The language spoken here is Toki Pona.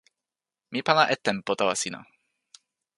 mi pana e tenpo tawa sina.